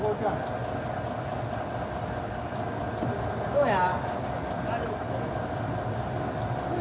どうや？